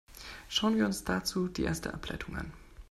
Schauen wir uns dazu die erste Ableitung an.